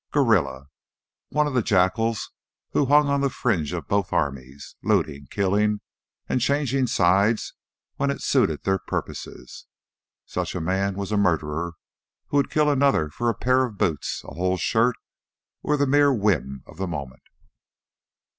guerrilla, one of the jackals who hung on the fringe of both armies, looting, killing, and changing sides when it suited their purposes. Such a man was a murderer who would kill another for a pair of boots, a whole shirt, or the mere whim of the moment.